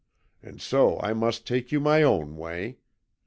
And so I must take you my own way.